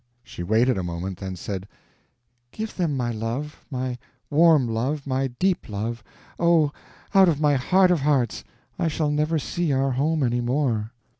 She waited a moment, then said: "Give them my love—my warm love—my deep love—oh, out of my heart of hearts! I shall never see our home any more."